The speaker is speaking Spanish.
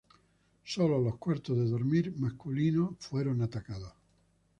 Sólo los cuartos de dormir masculinos fueron atacados.